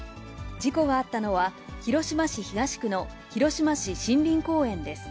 事故があったのは、広島市東区の広島市森林公園です。